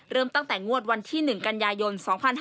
เริ่มตั้งแต่งวดวันที่๑กัญญายน๒๕๕๘